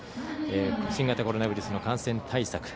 新型コロナウイルスの感染対策。